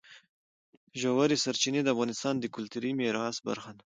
ژورې سرچینې د افغانستان د کلتوري میراث برخه ده.